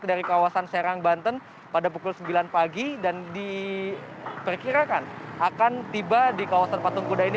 dari kawasan serang banten pada pukul sembilan pagi dan diperkirakan akan tiba di kawasan patung kuda ini